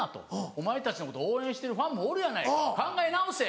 「お前たちのこと応援してるファンもおるやないか考え直せ」